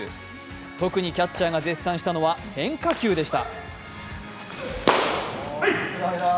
特にキャッチャーが絶賛したのは変化球でした。